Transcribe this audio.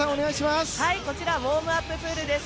こちらウォームアッププールです。